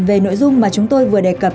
về nội dung mà chúng tôi vừa đề cập